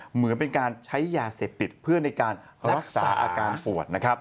เหมือนเป็นการใช้ยาเสพติดเพื่อในการรักษาอาการปวดนะครับ